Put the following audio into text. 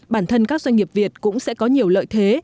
bản thân các doanh nghiệp việt cũng sẽ có nhiều lợi thế